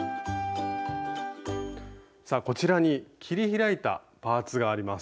さあこちらに切り開いたパーツがあります。